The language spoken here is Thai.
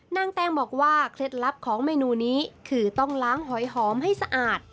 แตงบอกว่าเคล็ดลับของเมนูนี้คือต้องล้างหอยหอมให้สะอาด